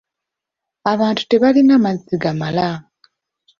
Abantu tebalina mazzi gamala.